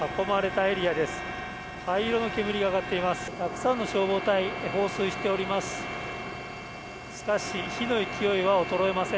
たくさんの消防隊員が放水しています。